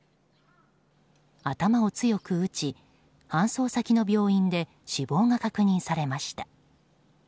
頭を強く打ち、搬送先の病院で死亡が確認されました。